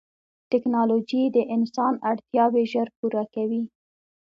ټکنالوجي د انسان اړتیاوې ژر پوره کوي.